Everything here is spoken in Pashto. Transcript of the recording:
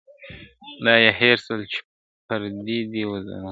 دا یې هېر سول چي پردي دي وزرونه ..